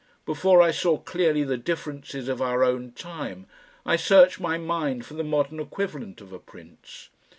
Before I saw clearly the differences of our own time I searched my mind for the modern equivalent of a Prince.